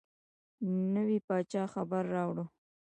نوي پاچا خبر راووړ.